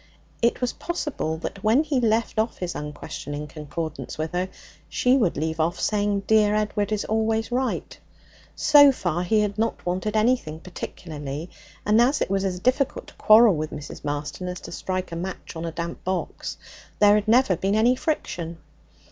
It was possible that when he left off his unquestioning concordance with her, she would leave off saying 'Dear Edward is always right.' So far he had not wanted anything particularly, and as it was as difficult to quarrel with Mrs. Marston as to strike a match on a damp box, there had never been any friction.